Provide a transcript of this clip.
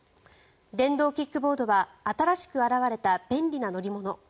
電動キックボードは新しく現れた便利な乗り物